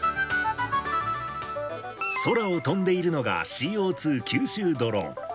空を飛んでいるのが、ＣＯ２吸収ドローン。